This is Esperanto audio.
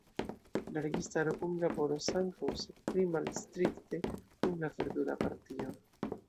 La registaro kunlaboros ankaŭ sed pli malstrikte kun la Verdula Partio.